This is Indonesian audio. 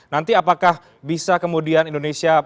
nanti apakah bisa kemudian indonesia